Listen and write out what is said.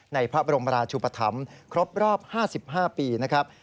ในพระบรมราชุปธรรมครบรอบ๕๕ปีนะครับ